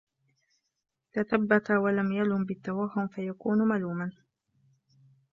تَثَبَّتَ وَلَمْ يَلُمْ بِالتَّوَهُّمِ فَيَكُونَ مَلُومًا